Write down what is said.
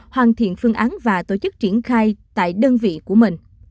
hoàn thiện phương án và tổ chức triển khai tại đơn vị của mình